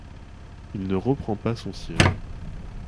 Il ne reprend pas son siège.